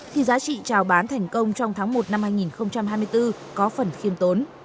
thì giá trị trào bán thành công trong tháng một năm hai nghìn hai mươi bốn có phần khiêm tốn